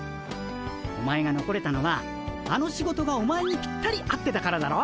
お前がのこれたのはあの仕事がお前にぴったり合ってたからだろ？